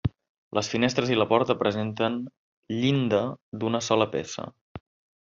Les finestres i la porta presenten llinda d'una sola peça.